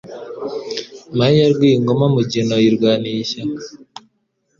Mahe ya Rwingoma Mugina uyirwaniye ishyaka.